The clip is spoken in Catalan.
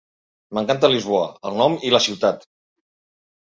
M'encanta Lisboa, el nom i la ciutat!